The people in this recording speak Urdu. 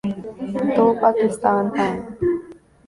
تو پاکستان آئیں۔